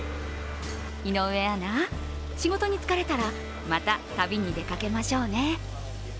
井上アナ、仕事に疲れたらまた旅に出かけましょうね。